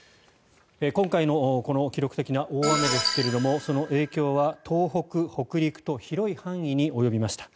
今回のこの記録的な大雨ですがその影響は東北、北陸と広い範囲に及びました。